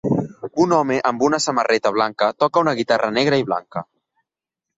Un home amb una samarreta blanca toca una guitarra negra i blanca.